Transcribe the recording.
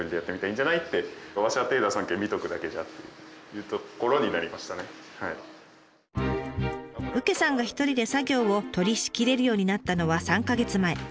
うけさんが一人で作業を取りしきれるようになったのは３か月前。